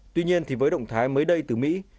tuy nhiên với động thái mới đây từ mỹ